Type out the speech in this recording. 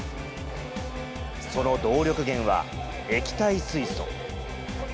その動力源は、液体水素。